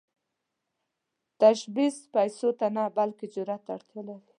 تشبث پيسو ته نه، بلکې جرئت ته اړتیا لري.